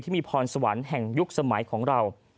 พรสวรรค์แห่งยุคสมัยของเรา